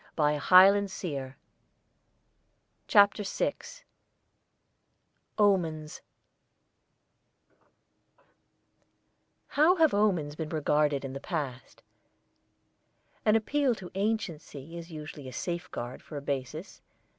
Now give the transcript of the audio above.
Two letters near rim CHAPTER VI OMENS How have omens been regarded in the past? An appeal to anciency is usually a safeguard for a basis.